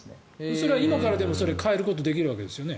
それは今からでも変えることはできるわけですよね。